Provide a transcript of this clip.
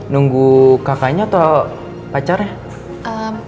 nunggu kakaknya atau pacarnya